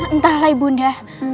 entahlah ibu nda